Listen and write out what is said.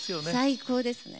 最高ですね。